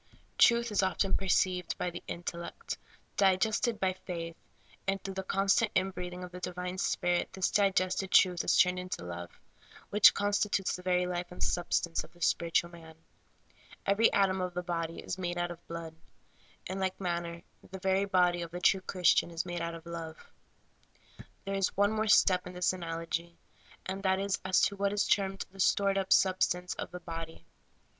Truth is perceived by the intellect, digested by the faith, and through the constant in breathing of the divine Spirit this digested truth is turned into love, which consti tutes the very life and substance of the spiritual man. Every atom of the body is made out of blood. In like manner the very body of the true Christian life is made out of love. There is one more step in this analogy, and that is as to what is termed the stored up substance of the body.